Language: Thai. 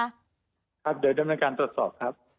ครับเดี๋ยวดำเนินการตรวจสอบครับ